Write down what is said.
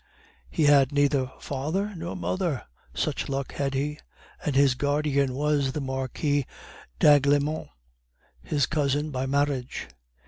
He had neither father nor mother such luck had he! and his guardian was the Marquis d'Aiglemont, his cousin by marriage.